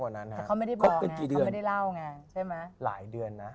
กว่านั้นนะเขาไม่ได้บอกไม่ได้เล่างานใช่ไหมหลายเดือนนะ